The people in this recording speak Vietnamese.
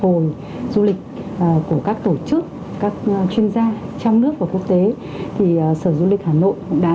hồi du lịch của các tổ chức các chuyên gia trong nước và quốc tế thì sở du lịch hà nội cũng đã